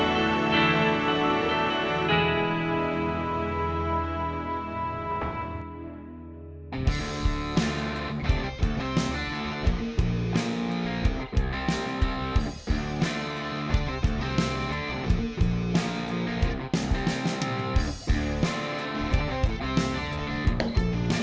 masih gak bohong